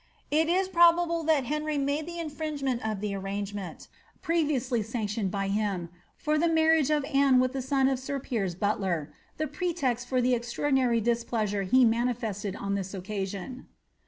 It is probable that Henry made the infringement of the arrangement previously sanctioned by him, for the marriage of Anne with the son of sir Piers fiutler, the pretext for the extraonJinary displeasure he manifested on this occasion.